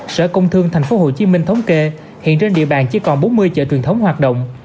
sở công thương tp hcm thống kê hiện trên địa bàn chỉ còn bốn mươi chợ truyền thống hoạt động